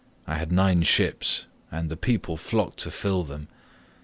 I had nine ships, and the people flocked to fill them.